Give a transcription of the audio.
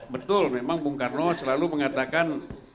betul memang bung karno selalu mengatakan